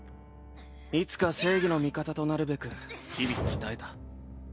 いつか正義の味方となるべく日々鍛えた。